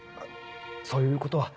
そういうことは。